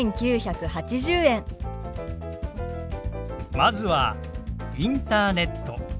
まずは「インターネット」。